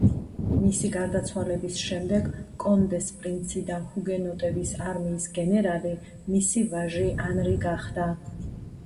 მისი გარდაცვალების შემდეგ კონდეს პრინცი და ჰუგენოტების არმიის გენერალი მისი ვაჟი ანრი გახდა.